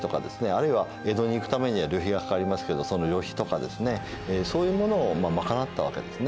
あるいは江戸に行くためには旅費がかかりますけどその旅費とかですねそういうものを賄ったわけですね。